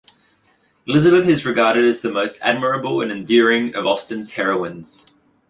Elizabeth is regarded as the most admirable and endearing of Austen's heroines.